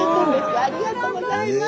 ありがとうございます。